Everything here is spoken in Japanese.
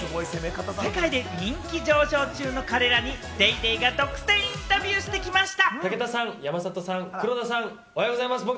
世界で人気上昇中の彼らに『ＤａｙＤａｙ．』が独占インタビューしてきました。